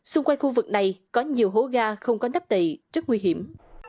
xung quanh khu vực này có nhiều hố ga không có nắp đầy rất nguy hiểm